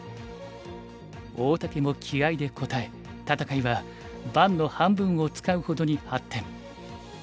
大竹も気合いで応え戦いは盤の半分を使うほどに発展。